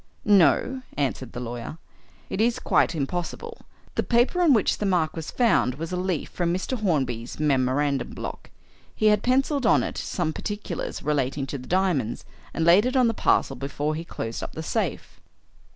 "No," answered the lawyer. "It is quite impossible. The paper on which the mark was found was a leaf from Mr. Hornby's memorandum block. He had pencilled on it some particulars relating to the diamonds, and laid it on the parcel before he closed up the safe."